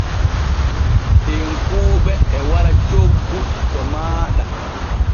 Tekkuuɓe e wara coggu to maaɗa.